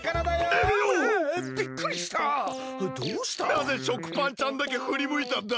なぜ食パンちゃんだけふりむいたんだ！？